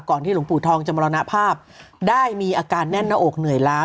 ที่หลวงปู่ทองจะมรณภาพได้มีอาการแน่นหน้าอกเหนื่อยล้า